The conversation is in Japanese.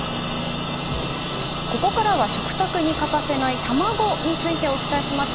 ここからは食卓に欠かせない卵についてお伝えします。